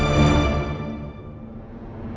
ini jelapan baru dari seseorang